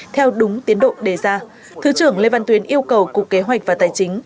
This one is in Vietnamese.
theo đúng tiến độ đề ra thứ trưởng lê văn tuyến yêu cầu cục kế hoạch và tài chính